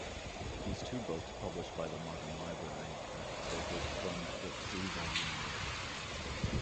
These two books published by the Modern Library are excerpted from the three-volume narrative.